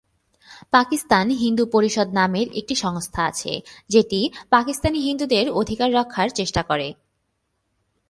পাকিস্তান হিন্দু পরিষদ নামের একটি সংস্থা আছে যেটি পাকিস্তানি হিন্দুদের অধিকার রক্ষার চেষ্টা করে।